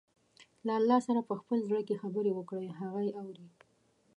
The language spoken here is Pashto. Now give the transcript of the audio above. له الله سره په خپل زړه کې خبرې وکړئ، هغه يې اوري.